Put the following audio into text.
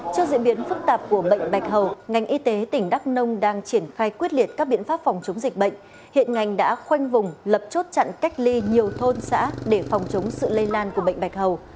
trước diễn biến phức tạp của bệnh bạch hầu ngành y tế tỉnh đắk nông đang triển khai quyết liệt các biện pháp phòng chống dịch bệnh hiện ngành đã khoanh vùng lập chốt chặn cách ly nhiều thôn xã để phòng chống sự lây lan của bệnh bạch hầu